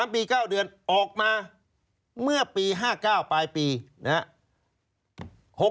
๓ปี๙เดือนออกมาเมื่อปี๕๙ปลายปีนะครับ